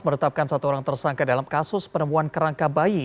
menetapkan satu orang tersangka dalam kasus penemuan kerangka bayi